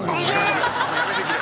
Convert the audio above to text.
やめてくれ。